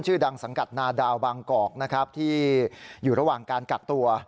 ชื่อดังสังกัดนาดาวบางกอกนะครับที่อยู่ระหว่างการกักตัว